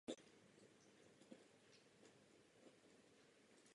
Rukojeť bývá často zdobena.